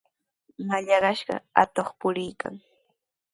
Mallaqnashqa atuq puriykan.